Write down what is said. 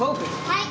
はい。